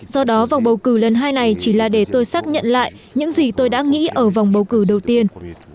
do đó vòng bầu cử lần hai này chỉ là để tôi xác nhận lại những gì tôi đã nghĩ ở vòng bầu cử đầu tiên